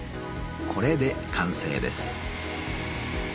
これで完成です。